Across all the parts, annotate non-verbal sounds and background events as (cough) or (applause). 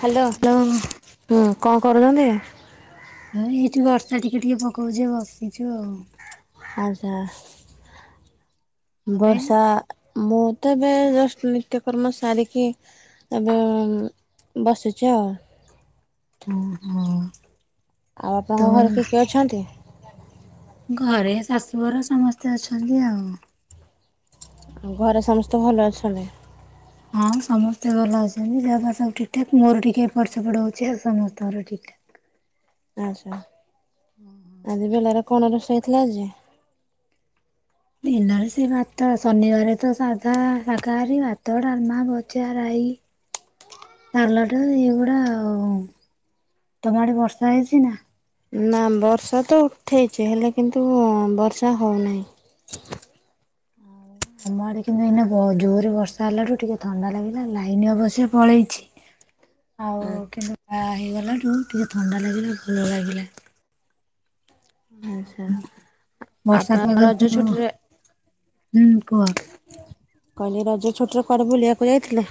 Hello, ହୁଁ କଣ କରୁଛନ୍ତି? ହଁ ଏଇଠି ବର୍ଷା ଟିକେ ଟିକେ ପକଉଚି, ବସିଚୁ ଆଉ। ଆଚ୍ଛା ତମେ? ବର୍ଷା ମୁଁ ତ ଏବେ ଜଷ୍ଟ ନିତ୍ୟକର୍ମ ସାରିକି ଏବେ ବସିଛି ଆଉ। ହୁଁ-ହୁଁ। ଆଉ ଆପଣଙ୍କ ଘରେ କିଏ-କିଏ ଅଛନ୍ତି? ଘରେ ଶାଶୁଘର ସମସ୍ତେ ଅଛନ୍ତି ଆଉ। ଆଉ ଘରେ ସମସ୍ତେ ଭଲ ଅଛନ୍ତି? ହଁ ସମସ୍ତେ ଭଲ ଅଛନ୍ତି ଯାହାହଉ ସବୁ ଠିକ୍ ଠାକ୍ ମୋର ଟିକେ ଏପଟସେପଟ ହଉଚି ଆଉ ସମସ୍ତଙ୍କର ଠିକ୍ ଠାକ୍। ଆଚ୍ଛା ଆଜି ବେଲାରେ କଣ ରୋଷେଇ ହେଇଥିଲା ଆଜି? ଦିନରେ ସେ ଭାତ ଶନିବାର ତ ସାଧା ସାକାହାରୀ ଭାତ, ଡାଲମା, ଭଜା, ରାଇ ସାଲଟ ଏଇଗୁଡ଼ା ଆଉ। ତମ ଆଡେ ବର୍ଷା ହେଇଚି ନା? ନା ବର୍ଷା ତ ଉଠେଇଛି ହେଲେ କିନ୍ତୁ ବର୍ଷା ହଉନାହିଁ। ଆମ ଆଡ଼େ କିନ୍ତୁ ଏଇନା ଜୋରରେ ବର୍ଷା ହେଲାଠୁ ଟିକେ ଥଣ୍ଡା ଲାଗିଲା ଲାଇନ ଅବଶ୍ୟ ପଳେଇଛି। ଆଉ କିନ୍ତୁ ବାହା ହେଇଗଲାଠୁ ଟିକେ ଥଣ୍ଡା ଲାଗିଲା ଭଲ ଲାଗିଲା। ଆଚ୍ଛା ବର୍ଷା ଆପଣ ରଜ ପାଗକୁ ଛୁଟିରେ ହୁଁ କୁହ। କାଲି ରଜ ଛୁଟିରେ କୁଆଡ଼େ ବୁଲିବାକୁ ଯାଇଥଲେ?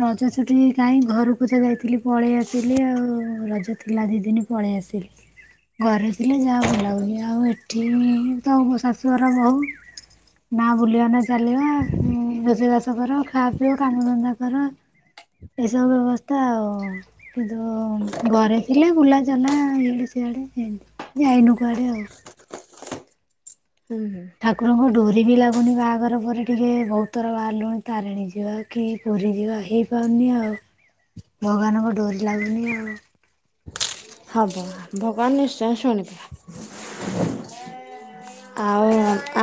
ରଜ ଛୁଟି କାହିଁ ଘରକୁ ତ ଯାଇଥିଲି ପଳେଇ ଆସିଲି ଆଉ ରଜ ଥିଲା ଦି ଦିନ। ପଳେଇ ଆସଲି। ଘରେ ଥିଲେ ଯାହା ବୁଲାବୁଲି ଆଉ ଏଠି ତ ମୁଁ ଶାଶୁଘର ବୋହୂ ନା ବୁଲିବା ନା ଚାଲିବା ରୋଷେଇ ବାସ କର ଖାଆ ପିଇଅ କାମ ଧନ୍ଦା ତର ଏସବୁ ବ୍ୟବସ୍ଥା ଆଉ। କିନ୍ତୁ ଘରେ ଥିଲେ ବୁଲାଚାଲା ଇଆଡେ ସିଆଡେ ଯାଇନୁ କୁଆଡେ ଆଉ। ହୁଁ। ଠାକୁରଙ୍କ ଡୋରି ବି ଲାଗୁନି ବାହାଘର ପରେ ଟିକେ ବହୁତ୍ ଥର ବାହାରିଲୁଣି ତାରିଣୀ ଯିବାକୁ। କି ପୁରୀ ଯିବା ହେଇପାରୁନି ଆଉ ଭଗବାନଙ୍କ ଡୋରି ଲାଗୁନି ଆଉ। ହବ ଭଗବାନ ନିଶ୍ଚୟ ଶୁଣିବେ। ଆଉ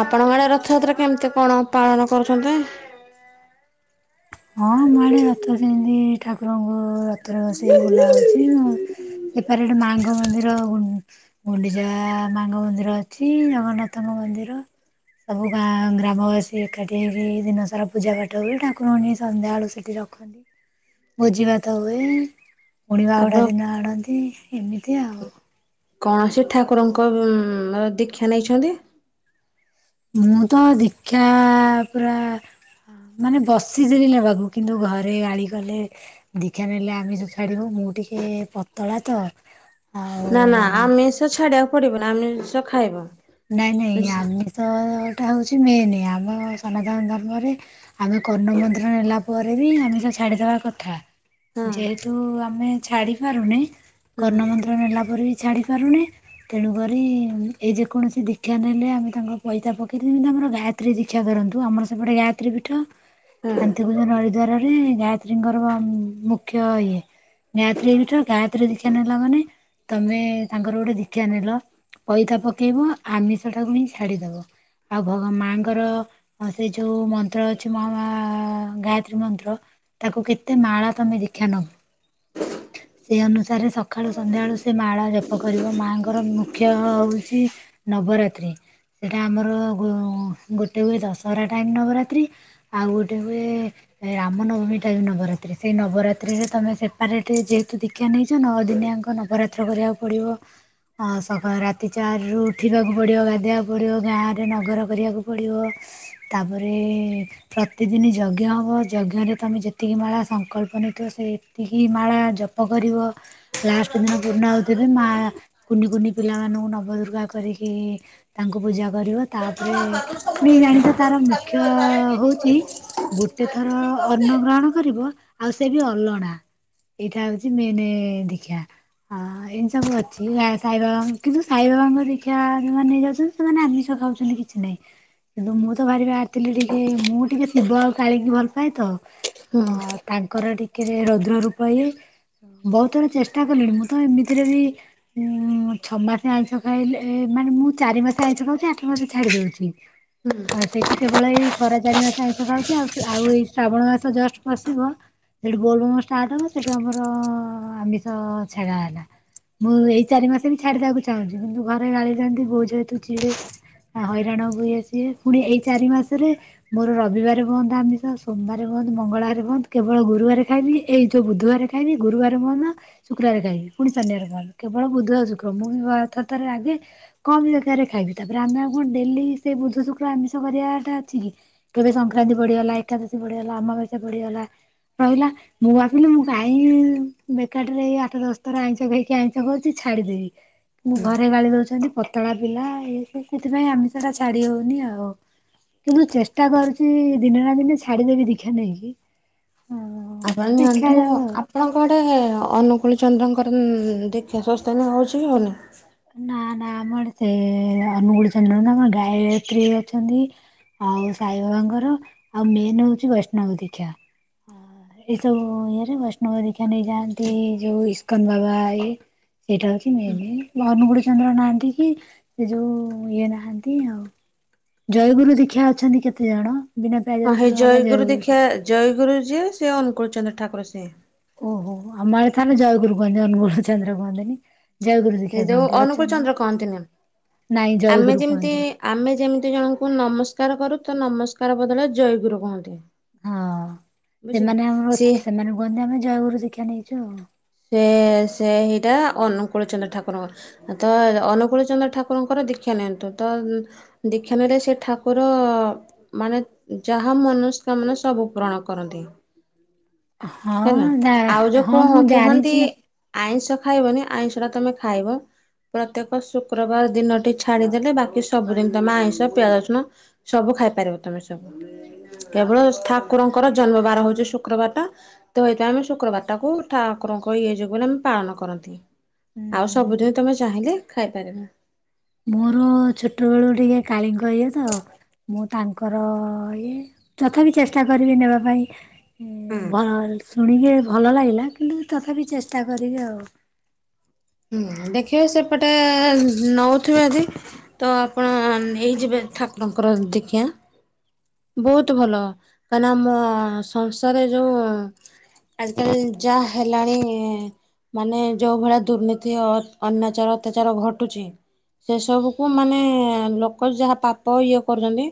ଆପଣମାନେ ରଥଯାତ୍ରା କେମିତି କଣ ପାଳନ କରୁଛନ୍ତି? ହଁ ଆମ ଆଡ଼େ ରଥ ସେମିତି ଠାକୁରଙ୍କୁ ରଥରେ ବସେଇି ବୁଲା ହଉଛି। ମୁଁ ସେପାରେଟ୍ ମାଆଙ୍କ ମନ୍ଦିର ଗୁଣ୍ଡିଚା ମାଆଙ୍କ ମନ୍ଦିର ଅଛି ଜଗନ୍ନାଥଙ୍କ ମନ୍ଦିର। ସବୁ ଗାଁ ଗ୍ରାମବାସୀ ଏକାଠି ହେଇକି ଦିନସାରା ପୂଜା ପାଠ ହୁଏ। ଠାକୁରଙ୍କୁ ଆଣି ସ ସନ୍ଧ୍ୟା ଆଳୁ ସେଠି ରଖନ୍ତି ଭୋଜି ଭାତ ହୁଏ। ପୁଣି ଆପଣ ବାହୁଡ଼ା ଦିନ ଆଣନ୍ତି ଏମିତି ଆଉ। କୌଣସି ଠାକୁରଙ୍କ ଦୀକ୍ଷା ନେଇଛନ୍ତି। ମୁଁ ତ ଦୀକ୍ଷା ପୁରା ମାନେ ବସିଥିଲି ନେବାକୁ କିନ୍ତୁ ଘରେ ଗଳି କଲେ। ଦୀକ୍ଷା ନେଲେ ଆମିଶ ଛାଡିବୁ ମୁଁ ଟିକେ ପତଳା ତ ନା ନା ଆଉ ଆମିଷ ଛାଡିବାକୁ ପଡିବନି ଆମିସ ଖାଇବ। ନାଇଁ ହଁ ନାଇଁ ଆମିଷଟା ହଉଛି ମେନ୍ ଆମ ସନାତନ ଧର୍ମରେ। ଆମେ କର୍ଣ୍ଣମନ୍ତ୍ର ନେଲା ପରେ ବି ଆମିସ ଛାଡ଼ିଦେବା କଥା। ଯେହେତୁ ଆମେ ଛାଡି ପାରୁନେ ହୁଁ କର୍ଣ୍ଣମନ୍ତ୍ର ନେଲା ପରେ ବି ଛାଡି଼ ପାରୁନେ ତେଣୁ କରି ଆଇଯେ କୌଣସି ଦୀକ୍ଷା ନେଲେ ଆମେ ତାଙ୍କ ପଇତା ପକେଇଦେଲେ ଯେମିତି ଆମର ଗାୟାତ୍ରୀ ଦୀକ୍ଷା କରନ୍ତୁ ଆମର ସେପଟେ ଗାୟ ଗାକ୍ଷତ୍ରୀ ପୀଠ ହୁଁ ଶାନ୍ତିପୂଜନ ହରିଦ୍ୱାରରେ ଗାୟତ୍ରୀଙ୍କର ମୁଖ୍ୟ ଇଏ। ଗାୟତ୍ରୀ ପୀଠ ଗାୟତ୍ରୀ ଦିକ୍ଷା ନେଲା ମାନେ ତମେ ତାଙ୍କର ଗୋଟେ ଦୀକ୍ଷା ନେଲ ପଇତା ପକେଇବ ଆମିଷଟାକୁ ହିଁ ଛାଡିଦବ। ଆଉ ଭଗ ମାଙ୍କର ସେ ଯୋଉ ମନ୍ତ୍ର ଅଛି ମ ହା ମା ଗାୟତ୍ରୀ ୟତ୍ରୀ ମନ୍ତ୍ର ତାକୁ କେତେ ମାଳା ତମେ ଦିକ୍ଷା ନବ। (unintelligible) ସେହି ଅନୁସାରେ ସଖାଳୁ ସନ୍ଧ୍ୟାବେଳୁ ସେ ମାଳ ଜପ କରିବ ମାଆଙ୍କର ମୁଖ୍ୟ ହେଉଛି। ନବରାତ୍ରି। ସେଇଟା ଆମର ଗୋ ଗୋଟେ ହୁଏ ଦଶହରା ଟାଇମ୍ ନବରାତ୍ରି ଆଉ ଗୋ ଗୋଟେ ହୁଏ ରାମ ନବମୀ ଠାରୁନବରାତ୍ରି ସେଇ ନବରାତ୍ରିରେ ତମେ ସେପାରେ ଟ୍ ଯେହେତୁ ଦିକ୍ଷା ନେଇଛ ନଅ ଦିନିଆଙ୍କ ନବରାତ୍ର କରିବାକୁ ପଡିବ ଆ ସକାଳ ରାତି ଚାରି ରୁ ଜିବାକୁ ପଡ଼ିବ, ଗାଧୋଇବାକୁ ପଡ଼ିବ, ଗାଁରେ ନଗର କରିବାକୁ ପଡ଼ିବ ତାପରେ ପ୍ରତିଦିନ ଯଜ୍ଞ ହବ ଯଜ୍ଞ ରେ ତମେ ଯେତିକି ମାଳା ସଂକଳ୍ପ ନେଇ ଥିବ ସେଇ ତିକି ମାଳ ଜପ କରିବ। ଲାଷ୍ଟ ଦିନ ପୂର୍ଣ୍ଣାହୁତି ଦେବେ ମା କୁନି କୁନି ପିଲାମାନଙ୍କୁ ନବ ଦୁର୍ଗା କରିକି କି ତାଙ୍କୁ ପୂଜା କରିବ ତାପରେ ପୁଣି ଜାଣିଛ ତାର ମୁଖ୍ୟ ହଉଛି ଗୋଟେ ଥର ଅନ୍ନ ଗ୍ରହଣ। କରିବ ଆଉ ସେ ବି ଅଲଣା ଏଇଟା ହଉଛି ମେନ ଦୀକ୍ଷା। ହଁ ଏନ ସବୁ ଅଛିଆଉ ସାଇବାବା କିନ୍ତୁ ସାଇବାବାଙ୍କର ଦୀକ୍ଷା ଜଉମନେ ନେଇଯାଉଛନ୍ତି ସେମାନେ ଆମିଷ ଖାଉଛନ୍ତି କିଛି ନାହିଁ। କିନ୍ତୁ ମୁଁ ତ ବାହାରି ବାରିଥିଲି ଟିକେ ମୁଁ ଟିକେ ଶିବ ଆଉ କାଳିକି ଭଲ ପାଏ ତ ହୁଁ। ଅ ତାଙ୍କର ଟିକେରେ ରୁଦ୍ର ରୂପ ହେଇ ବହୁତ ଥର ଚେଷ୍ଟା କଲିଣି ମୁଁ ତ ଏମିତିରେ ବି ଉ ଛଅ ମାସେ ଆଇଁଷ ଖାଇଲେ ଏ ମାନେ ମୁଁ ଚାରି ମାସ ଆଇଁଷ ଖାଉଛି ଆଠ ମାସ ଛାଡି ଦଉଛି। ଆଉ ହୁଁ ସେଇଠି କେବଳ ଏଇ ଖରା ଚାରି ମାସ ଆଇସ ଖାଉଛି ଆଉ ସେ ଆଉ ଏଇ ଶ୍ରାବଣ ମାସ ଜଷ୍ଟ ପଶିବ ସେଠୁ ବୋଲବମ ଷ୍ଟାର୍ଟ ହବ ସେଠୁ ଆମର ଆମିଷ ଛାଡା ହେଲା। ମୁଁ ଏଇ ଚାରି ମାସ ବି ଛାଡିଦବାକୁ ଚାହୁଁଛି କିନ୍ତୁ ଘରେ ଗାଳି ଦିଅନ୍ତି ବୋଉ ଯେହେତୁ ଚିଡେ। ଆ ହଇରାଣ ହୁଏ ସିଏ ପୁଣି ଏଇ ଚାରି ମାସରେ ମୋର ରବିବାର ବନ୍ଦ ଆମିଷ ସୋମବାର ବନ୍ଦ ମଙ୍ଗଳବାର ବନ୍ଦ କେବଳ ଗୁରୁବାର ଖାଇନି ଏଇ ଯୋଉ ବୁଧବାର ଖାଇବି ଗୁରୁବାର ମହନ ଶୁକ୍ରବାରେ ଖାଇବି ପୁଣି ଶନିବାରେ ଖାଇବି କେବଳ ବୁଧ ଆଉ ଶୁକ୍ର ମୁଁଥ ଉତରେ ଆଗେ। କମ ଜାଗାରେ ଖାଇବି ତାପରେ ଆମେ ଆଉ କଣ ଡେଲି ସେ ବୁଧ ଶୁକ୍ର ଆମିଷ କରିବାଟା ଅଛି କି? କେବେ ସଂକ୍ରାନ୍ତି ପଡ଼ିଗଲା, ଏକାଦଶୀ ପଡ଼ିଗଲା, ଅମାବାସ୍ୟା ପଡିଗଲା ସ ଇଲା। ମୁଁ ଭାବିଲି ମୁଁ କାହିଁ ବେକାରଟରେଇ ଆଠ ଦଶ ଥର ଆଇଁସ ଖାଇକି ଆଇଁସ ଖାଉଛି ଛାଡିଦେବି। ମୁଁ ଘରେ ଗାଳି ଦଉଛନ୍ତି ପତଳା ପିଲା ଏଇ ସବୁ ସେଥିପାଇଁ ଆମିସ ଟା ଛାଡି ହଉନି ଆଉ। କିନ୍ତୁ ଚେଷ୍ଟା କରୁଛି ଦିନେ ନା ଦିନେ ଛାଡିଦେବି ଦୀକ୍ଷା ନେଇକି। ଆଉ ଆପଣ ନିଅନ୍ତୁ ଦେଖାଯାଉ ଆପ୍ ଆଉ। ଆପଣଙ୍କ ଗଟେ ଅନୁକୂଳ ଚନ୍ଦ୍ରଙ୍କର ଉ ଦୀକ୍ଷା ସଂସ୍ଥାନ ହେଉଛି କି ହେଉନି? ନା ନା ଆମର ସେ ଅନୁଗୁଳ ଚନ୍ଦ୍ର ନୁହେଁ ଆମର ଗାାୟତ୍ରୀ ଅଛନ୍ତି। ଆଉ ସାଇବାବାଙ୍କର ଆଉ ମେନ୍ ହଉଛି ବୈଷ୍ଣବ ଦୀକ୍ଷା। ଏଇ ସବୁ ଇଏରେ ବୈଷ୍ଣବ ଦୀକ୍ଷା ନେଇଯାଆନ୍ତି ଯୋଉ ଇସ୍କନ ବାବା ଏଇ ସେଇଟା ହଉଛି ମେନ୍। ଅନୁଗୁଳ ଚନ୍ଦ୍ର ନାହାନ୍ତି କି ସେ ଯୋଉ ଇଏ ନାହାନ୍ତି ଆଉ। ଜୟଗୁରୁ ଦୀକ୍ଷା ଅଛନ୍ତି କେତେ ଜଣ ବିନା ପିଆଜ ହଁ ହେଇ ରସୁଣ ବାଲା ଦୀକ୍ଷା ଜୟଗୁରୁ। ଜୟଗୁରୁ ଯିଏ ସେ ଅନୁଙ୍କୁଳଚନ୍ଦ୍ର ଠାକୁର ସିଏ। ଓହୋ ଆମ ଆଡେ ତାହେଲେ ଜୟଗୁରୁ କହନ୍ତି ଅନୁଗୁଳ ଚନ୍ଦ୍ର କୁହନ୍ତିନି। ଜୟଗୁରୁ ସେ ଦୀକ୍ଷା ଯୋଉ କୁହନ୍ତି ଅନୁକୂଳ ଅଛନ୍ତି ଚନ୍ଦ୍ର କହନ୍ତିନି ନାଇଁ ଆମେ ଜୟଗୁରୁ ଯେମିତି କୁହନ୍ତି। ଆମେ ଯେମିତି ଜଣଙ୍କୁ ନମସ୍କାର କରୁ ତ ନମସ୍କାର ବଦଳରେ ଜୟଗୁରୁ କୁହନ୍ତି। ହଁ ସେମାନେ ଆମର ସିଏ ସେମାନେ କୁହନ୍ତି ଆମେ ଜୟଗୁୁର ଦୀକ୍ଷା ନେଇଛୁ ଆଉ। ସେ ସେ ହେଇଟା ଅନୁକୂଳଚନ୍ଦ୍ର ଠାକୁରଙ୍କର। ତ ଅନୁକୁଳ ଚନ୍ଦ୍ର ଠାକୁରଙ୍କର ଦୀକ୍ଷା ନିଅନ୍ତୁ ତ ଦୀକ୍ଷା ନେଲେ ସେ ଠାକୁର ମାନେ ଯାହା ମନସ୍କାମାନା ସବୁ ପୂୁରଣ କରନ୍ତି। ହେନା ହଁ ଯା ଆଉ ଯୋଉ ହଁ କହ ମୁଁ କୁହନ୍ତି ଜାଣିଛି। ଆଇଁଷ ଖାଇବନି ଆଇଁଷ ଟା ତମେ ଖାଇବ। ପ୍ରତ୍ୟେକ ଶୁକ୍ରବାର ଦିନଟି ଛାଡିଦେଲେ ବାକି ସବୁଦିନି ତମେ ଆଇଁଷ ପିଆଜସୁଣ ସବୁ ଖାଇପାରିବ ତମେ ସବୁ। କେବଳ ଠାକୁରଙ୍କର ଜନ୍ମବାର ହଉଛି ଶୁକ୍ରବାର ଟା। ତ ଏଇଟା ଆମେ ଶୁକ୍ରବାର ଟାକୁ ଠାକୁରଙ୍କ ଇଏ ଯୋଗୁଁ ଆମେ ପାଳନ କରନ୍ତି। ଆଉ ହୁଁ ସବୁଦିନ ତମେ ଚାହିଁଲେ ଖାଇପାରିବ। ମୋର ଛୋଟ ବେଳୁ ଟିକେ କାଳୀଙ୍କ ଇଏ ତ ମୁଁ ତାଙ୍କୁ ତାଙ୍କର ଇଏ ତଥା ବିି ଚେଷ୍ଟା କରିବି ନେବା ପାଇଁ। ହୁଁ। ଭଲ ଶୁଣିକି ଭଲ ଲାଗିଲା କିନ୍ତୁ ତଥାପି ଚେଷ୍ଟା କରିବି ଆଉ। ହୁଁ ଦେଖିବେ ସେପଟେ ନଉଥିବେ ଯଦି। ତ ଆପଣ ନେଇଯିବେ ଠାକୁରଙ୍କର ଦୀକ୍ଷା। ବହୁତ ଭଲ କାହିଁନା ଆମ ସଂସାରରେ ଯୋଉ ଆଜିକାଲି ଯାହା ହେଲାଣି ମାନେ ଯେଉଁ ଭଳିଆ ଦୁର୍ନୀତି ଅନ୍ୟାଚାର ଅତ୍ୟାଚାର ଘଟୁଛି ସେ ସବୁକୁୁ ମାନେ ଲୋକ ଯାହା ପାପ ଇଏ କରୁଛନ୍ତି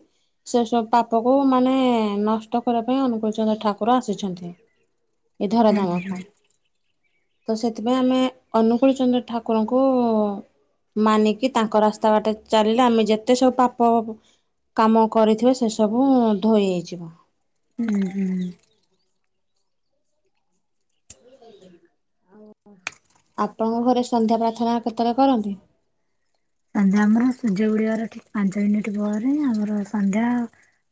ସେ ସବୁ ପାପକୁ ମାନେ ନଷ୍ଟ କରିବା ପାଇଁ ଅନୁକୂଳ ଚନ୍ଦ୍ର ଠାକୁର ଆସିଛନ୍ତି। ଏ ଧରା ହୁଁ ହୁଁ ଧାମକ। ତ ସେଥିପାଇଁ ଆମେ ଅନୁକୂଳ ଚନ୍ଦ୍ର ଠାକୁରଙ୍କୁ ମାନିକି ତାଙ୍କ ରାସ୍ତା ବାଟେ ଚାଲିଲେ ଆମେ ଯେତେ ସବୁ ପାପ କାମ କରିଥିବେ ସେ ସବୁ ଧୋଇ ହେଇଯିବ। ହୁଁ ହୁଁ। ଆପଣଙ୍କ ଘରେ ସନ୍ଧ୍ୟା ପ୍ରାର୍ଥନା କେତେବେଳେ କରନ୍ତି। ସନ୍ଧ୍ୟା ଆମର ସୂର୍ଯ୍ୟ ଉଡିବାର ଠିକ ପାଞ୍ଚ ମିନିଟ ପରେ ଆମର ସନ୍ଧ୍ୟା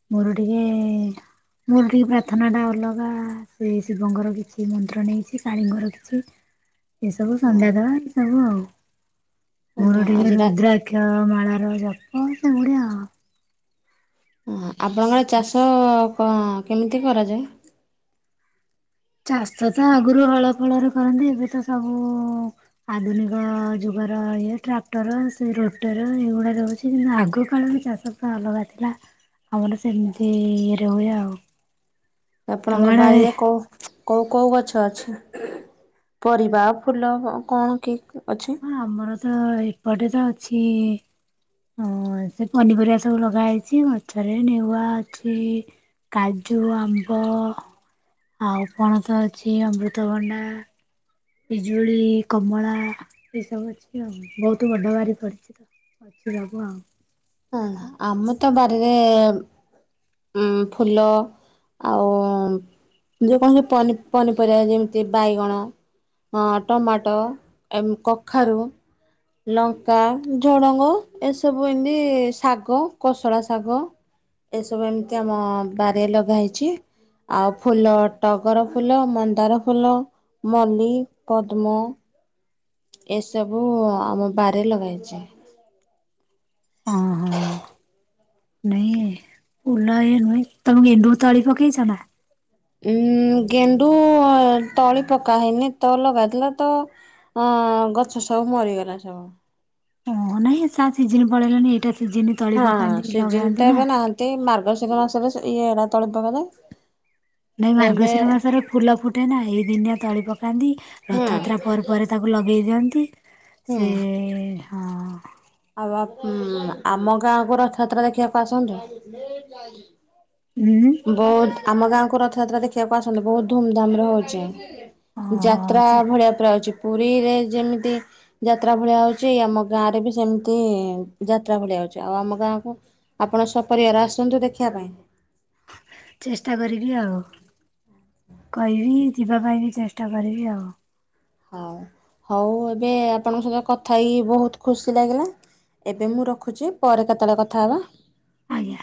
ମୁରୁଡିିକେ ମୋର ଟିକେ ପ୍ରାର୍ଥନାଟା ଅଲଗା ସେ ଶିବଙ୍କର କିଛି ମନ୍ତ୍ର ନେଇଛି କାଳୀଙ୍କର କିଛି। (inaudible) ଏ ସବୁ ସନ୍ଧ୍ୟା ଦବା ସବୁ ଆଉ ହଁ ମୋର ଟିକେ ଆଜି ରା ଦ୍ରାଗ୍ୟ ମାଳାର ଜପ ସେମତୀ ଆଉ। ଆପଣଙ୍କର ଚାଷ କଅ କେମିତି କରାଯାଏ। ଚାଷ ତ ଆଗରୁ ହଳ ଫଳରେ କରନ୍ତି ଏବେ ତ ସବୁ ଆଧୁନିକ ଯୁଗର ଇଏ ଟ୍ରାକ୍ଟର ସେ ରୋଟର ଏଇଗୁଡା ରହୁଛି କିନ୍ତୁ ଆଗ କାଳରେ ଚାଷ ଅଲଗା ଥିଲା ଆମର ସେମିତି ଇଏରେ ହୁଏ ଆଉ। ତମ ଆପଣଙ୍କ ଆଡ଼େ ବାରିରେ କଉ କଉ କଉ ଗଛ ଅଛି। ପରିବା ଫୁଲ କଣ କି ଅଛି। ହଁ ଆମର ତ ଏପଟେ ତ ଅଛି। ହଁ ସେ ପନିପରିବା ସବୁ ଲଗା ହେଇଛି। ମଛରେ ନେଉଆ ଅଛି। କାଜୁ, ଆମ୍ବ ଆଉ ପଣସ ଅଛି ଅମୃତଭଣ୍ଡା ପିଜୁଳି, କମଳା ଏସବୁ ଅଛି ଆଉ ବହୁତ ବଡ ବାରି କରିଛି। ଅଛି ଲକୁୁ ଆଉ। ହଁ ଆମ ତ ବାରିରେ ଉଁ ଫୁଲ ଆଉ ଯେକୌଣସି ପନି ପନିପରିବା ଯେମିତି ବାଇଗଣ ହଁ ଟମାଟୋ, ଏମ୍ କଖାରୁ ଲଙ୍କା, ଝଡ଼ଙ୍ଗ ଏସବୁ ଏମିତି ଶାଗ କୋଶଳା ଶାଗ। ସବୁ ଏମିତି ଆମ ବାରିରେ ଲଗା ହେଇଛି। ଆଉ ଫୁଲ ଟଗର ଫୁଲ, ମନ୍ଦାର ଫୁଲ, ମଲ୍ଲୀ, ପଦ୍ମ ଏସବୁ ଆମ ବାରିରେ ଲଗାହେଇଛି। ଓହୋ। (inaudible) ନାଇଁ ଓଲ ଏ ନୁହେଁ ତମେ ଗେଣ୍ଡୁ ତଳି ପକେଇଛ ନା। ଉଁ ଗେଣ୍ଡୁ ତଳି ପକା ହେଇନି ତ ଲଗାଇଥିଲା ତ। ହଁ ଗଛ ସବୁ ମରିଗଲା ସବୁ। ହଁ ନାଇଁ ତା ସିଜିିନ ପଳେଇଲାଣିି। ଏଇଟା ସିଜିିନି ତଳି ପକାନ୍ତି ଲଗାନ୍ତି ନା। ତେଇ ମାର୍ଗଶିର ମାସରେ ଏଇଡ଼ା ତଳି ପକାଯାଏ ନାଇଁ, ତ ଏବେ ମାର୍ଗଶିର ମାସରେ ଫୁଲ ଫୁଟେ ନା। ଏଇ ଦିନିଆ ତଳି ପକାନ୍ତି, ହୁଁ ରଥଯାତ୍ରା ପରେ ପରେ ତାକୁ କୁ ଲଗେଇ ଦିଅନ୍ତି। ସେ, ହୁଁ। ହଁ। ଆଉ ଆମ ଉମ୍ ଆମ ଗାଁକୁ ରଥଯାତ୍ରା ଦେଖିବାକୁ ଆସନ୍ତୁ? ଉଁ ବହୁତ, ଆମ ଗାଁକୁ ରଥଯାତ୍ରା ଦେଖିବାକୁ ଆସନ୍ତୁ? ବହୁତ ଧୁମଧାମରେ ହଉଛି। ଯାତ୍ରା ହଁ ଭଳିଆ ପୁରା ହଉଛି। ପୁରୀରେ ଯେମିତି ଯାତ୍ରା ଭଳିଆ ହଉଛି, ଆମ ଗାଁରେ ବି ସେମତି ଯାତ୍ରା ଭଳିଆ ହଉଛି। ଆଉ ଆମ ଗାଁକୁ ଆପଣ ସପରିବାର ଆସନ୍ତୁ ଦେଖିବା ପାଇଁ? ଚେଷ୍ଟା କରିବି ଆଉ। କହିବି, ଯିବା ପାଇଁ ବି ଚେଷ୍ଟା କରିବି ଆଉ। ହଉ। ହଉ ଏବେ ଆପଣଙ୍କ ସହିତ କଥା ହେଇକି ବହୁତ ଖୁସି ଲାଗିଲା ଏବେ ମୁଁ ରଖୁଛି, ପରେ କେତେବେଳେ କଥା ହେବା। ଆଜ୍ଞା।